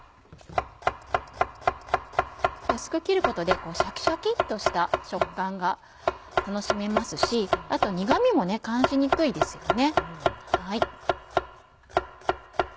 薄く切ることでシャキシャキっとした食感が楽しめますしあと苦味も感じにくいですよね。